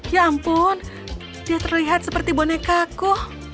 ya ampun dia terlihat seperti boneka aku